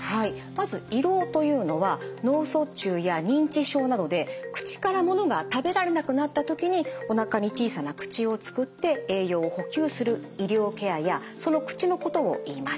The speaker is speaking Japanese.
まず胃ろうというのは脳卒中や認知症などで口から物が食べられなくなった時におなかに小さな口を作って栄養を補給する医療ケアやその口のことをいいます。